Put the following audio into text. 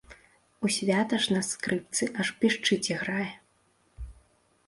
У свята ж на скрыпцы, аж пішчыць, іграе.